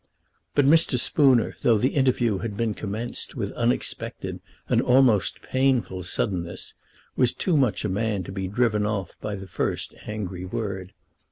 But Mr. Spooner, though the interview had been commenced with unexpected and almost painful suddenness, was too much a man to be driven off by the first angry word.